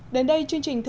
vũ khí thành công tại nga